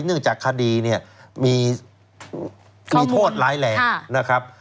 เนื่องจากคดีมีโทษร้ายแรง